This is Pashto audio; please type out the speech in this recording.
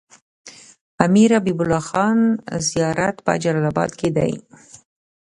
د امير حبيب الله خان زيارت په جلال اباد کی دی